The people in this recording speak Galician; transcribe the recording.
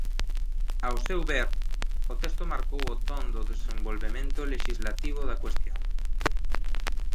Ao seu ver, o texto marcou o ton do desenvolvemento lexislativo da cuestión.